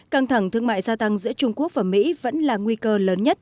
căng thẳng thương mại gia tăng giữa trung quốc và mỹ vẫn là nguy cơ lớn nhất